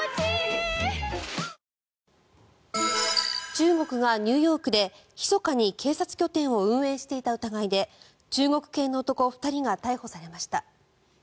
中国がニューヨークでひそかに警察拠点を運営していた疑いで中国系の男２人が逮捕されました。